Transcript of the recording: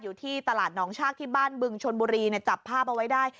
อยู่ที่ตลาดหนองชากที่บ้านบึงชนบุรีจับภาพเอาไว้ได้